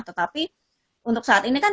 tetapi untuk saat ini kan